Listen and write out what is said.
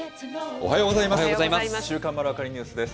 おはようございます。